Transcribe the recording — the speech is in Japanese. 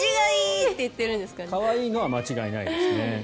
可愛いのは間違いないですね。